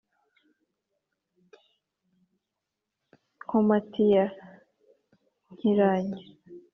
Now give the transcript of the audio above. nkomati ya nkiranya